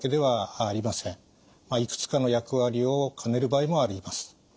いくつかの役割を兼ねる場合もあります。